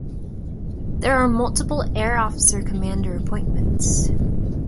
There are multiple air officer command appointments.